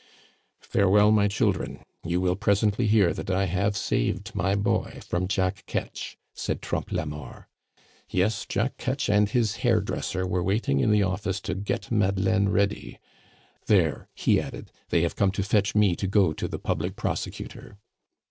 "Farewell, my children. You will presently hear that I have saved my boy from Jack Ketch," said Trompe la Mort. "Yes, Jack Ketch and his hairdresser were waiting in the office to get Madeleine ready. There," he added, "they have come to fetch me to go to the public prosecutor."